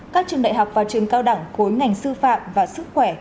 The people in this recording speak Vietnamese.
các trường đại học và trường cao đẳng khối ngành sư phạm và sức khỏe